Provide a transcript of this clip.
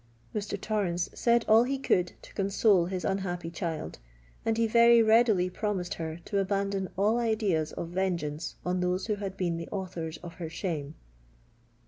Mr. Torrens said all he could to console his unhappy child; and he very readily promised her to abandon all ideas of vengeance on those who had been the authors of her shame.